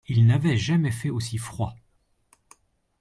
Il n’avait jamais fait aussi froid.